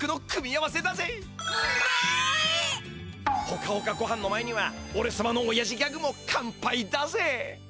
ほかほかごはんの前にはおれさまのおやじギャグも完敗だぜ！